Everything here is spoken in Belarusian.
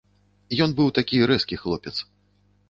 Ён быў такі рэзкі хлопец.